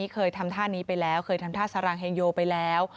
เข้าไปแล้วเคยทำท่าสารางเฮงโยไปแล้ว